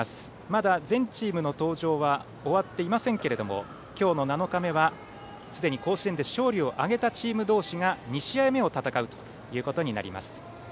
まだ全チームの登場は終わっていませんけれども今日の７日目は、すでに甲子園で勝利を挙げたチーム同士が２試合目を戦うということになります。